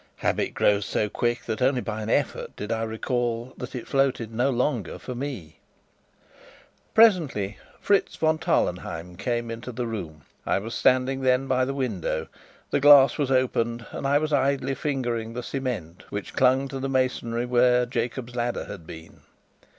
Habit grows so quick, that only by an effort did I recollect that it floated no longer for me. Presently Fritz von Tarlenheim came into the room. I was standing then by the window; the glass was opened, and I was idly fingering the cement which clung to the masonry where "Jacob's Ladder" had been.